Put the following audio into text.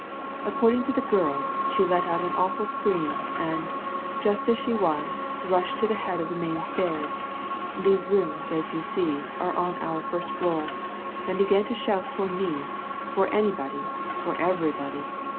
According to the girl, she let out an awful scream, and, just as she was, rushed to the head of the main stairs these rooms, as you see, are on our first floor and began to shout for me, for anybody, for everybody.